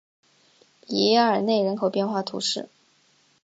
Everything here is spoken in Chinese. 比耶尔内人口变化图示